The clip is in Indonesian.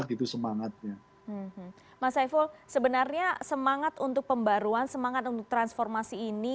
gitu semangatnya mas saiful sebenarnya semangat untuk pembaruan semangat untuk transformasi ini